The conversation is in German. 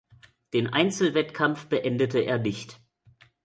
Den Einzelwettkampf beendete er nicht.